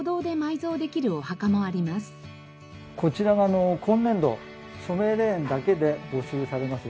こちらが今年度染井霊園だけで募集されます